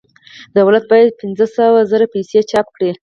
دولت باید پنځه سوه زره پیسې چاپ کړي